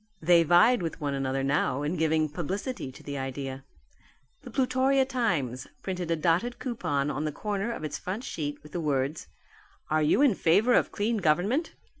They vied with one another now in giving publicity to the idea. The Plutorian Times printed a dotted coupon on the corner of its front sheet with the words, "Are you in favour of Clean Government?